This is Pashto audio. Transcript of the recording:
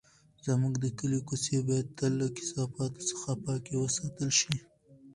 زموږ د کلي کوڅې باید تل له کثافاتو څخه پاکې وساتل شي.